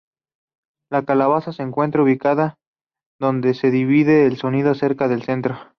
La calabaza se encuentra ubicada donde se divide el sonido cerca del centro.